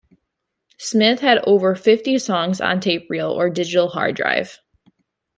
Smith had over fifty songs on tape reel or digital hard drive.